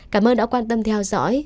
cảm ơn đã quan tâm theo dõi